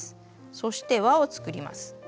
そして輪を作ります。